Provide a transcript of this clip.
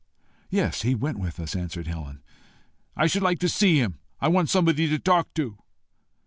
"Yes, he went with us," answered Helen. "I should like to see him. I want somebody to talk to."